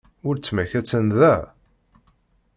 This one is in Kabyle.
Weltma-k attan da?